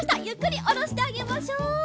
ゆっくりおろしてあげましょう。